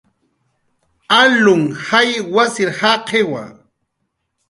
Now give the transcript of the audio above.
Alunh jay wasir jaqiwa